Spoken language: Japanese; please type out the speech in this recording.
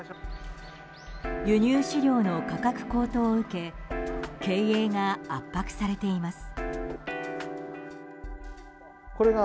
輸入飼料の価格高騰を受け経営が圧迫されています。